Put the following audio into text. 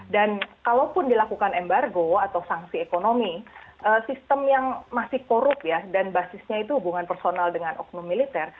dan kalaupun dilakukan embargo atau sanksi ekonomi sistem yang masih korup ya dan basisnya itu hubungan personal dengan oknum militer